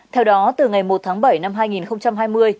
theo đó từ ngày một tháng bảy năm hai nghìn hai mươi